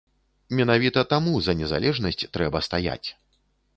Менавіта таму за незалежнасць трэба стаяць.